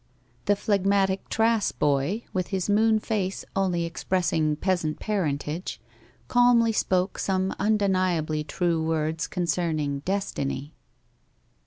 The phlegmatic Trass boy, with his moon face only expressing peasant parentage, calmly spoke some undeniably true words concerning destiny.